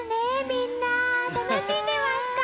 みんな、楽しんでますか？